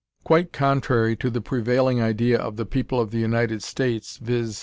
Quite contrary to the prevailing idea of the people of the United States, viz.